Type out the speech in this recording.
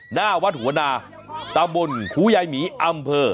หน้าวัดหัวนาตำบลครูยายหมีอำเภอ